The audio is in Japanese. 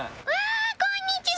こんにちは！